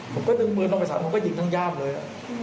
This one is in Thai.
ผมก็ดึงมือลงไปฉะนั้นผมก็หยิงทั้งย่ามเลย